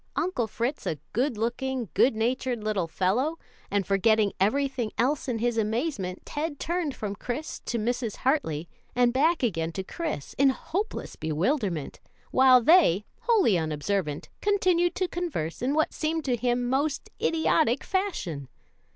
Uncle Fritz a good looking, good natured little fellow; and forgetting everything else in his amazement, Ted turned from Chris to Mrs. Hartley, and back again to Chris, in hopeless bewilderment, while they, wholly unobservant, continued to converse in what seemed to him most idiotic fashion.